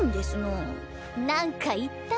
何か言った？